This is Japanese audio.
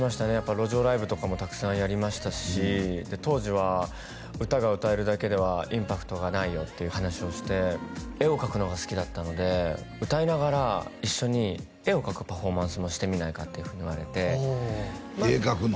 路上ライブとかもたくさんやりましたし当時は歌が歌えるだけではインパクトがないよっていう話をして絵を描くのが好きだったので歌いながら一緒に絵を描くパフォーマンスもしてみないかっていうふうに言われて絵描くの？